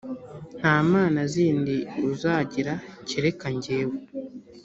nta mana zindi uzagira kereka jyewe.